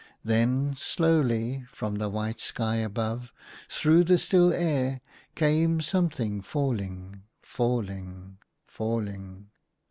Then slowly from the white sky above, through the still air, came some thing falling, falling, falling.